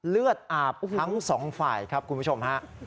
เลือดอาบทั้งสองฝ่ายครับคุณผู้ชมฮะ